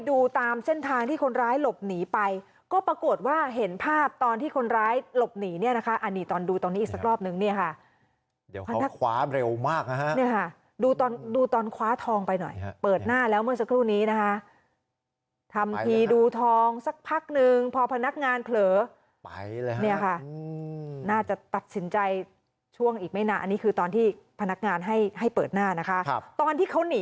ดูตามเส้นทางที่คนร้ายหลบหนีไปก็ปรากฏว่าเห็นภาพตอนที่คนร้ายหลบหนีเนี่ยนะคะอ่ะนี่ตอนดูตรงนี้อีกสักรอบนึงเนี่ยค่ะเดี๋ยวเขาคว้าเร็วมากนะฮะเนี่ยค่ะดูตอนดูตอนคว้าทองไปหน่อยเปิดหน้าแล้วเมื่อสักครู่นี้นะคะทำทีดูทองสักพักนึงพอพนักงานเขลือไปเลยฮะเนี่ยค่ะน่าจะตัดสินใจช่วงอีกไม่น